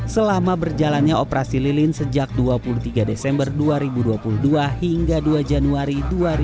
selama berjalannya operasi lilin sejak dua puluh tiga desember dua ribu dua puluh dua hingga dua januari dua ribu dua puluh